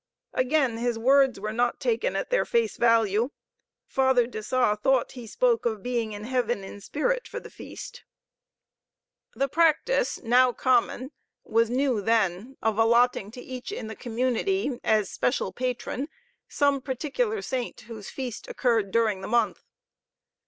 Again his words were not taken at their face value. Father de Sa thought he spoke of being in heaven in spirit for the feast. The practice, now common, was new then, of alloting to each in the community as special patron some particular saint whose feast occurred during the month.